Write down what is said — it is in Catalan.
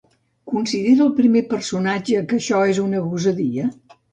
Considera el primer personatge que això és una gosadia?